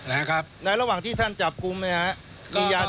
อะไรนะครับแล้วระหว่างที่ท่านจับกุมเนี่ยมียาเสพติดอยู่ด้วยไหมครับ